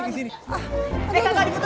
eh kakak diputar dulu kak